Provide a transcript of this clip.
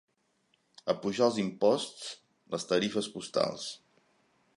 Apujar els imposts, les tarifes postals.